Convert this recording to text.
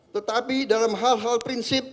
tetapi dalam hal hal prinsip